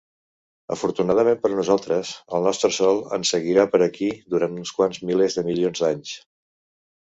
Afortunadament per a nosaltres, el nostre sol en seguirà per aquí durant uns quants milers de milions d'anys.